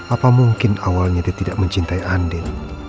apa mungkin awalnya dia tidak mencintai andin